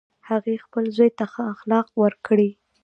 هغې خپل زوی ته ښه اخلاق ورکړی